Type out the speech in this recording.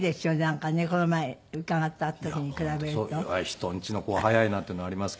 人ん家の子は早いなっていうのはありますけど。